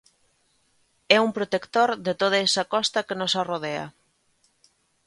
É un protector de toda esa costa que nos arrodea.